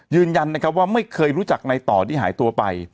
ยืนยันนะครับว่าไม่เคยรู้จักในต่อที่หายตัวไป